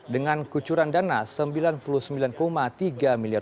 dengan kucuran dana rp sembilan puluh sembilan tiga miliar